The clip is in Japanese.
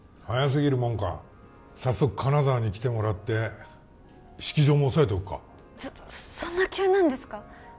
早すぎるもんか早速金沢に来てもらって式場も押さえておくかそっそんな急なんですか？